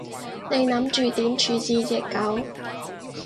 你諗住點處置隻狗？